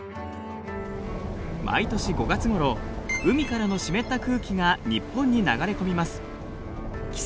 毎年５月ごろ海からの湿った空気が日本に流れ込みます。